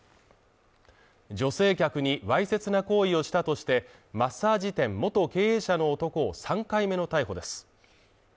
女性客にわいせつな行為をしたとして、マッサージ店元経営者の男を３回目の逮捕です。